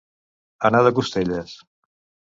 Anar de costelles.